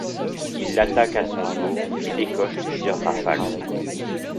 Il l'attaque à son tour, lui décoche plusieurs rafales.